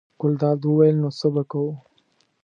ګلداد وویل: نو څه به کوو.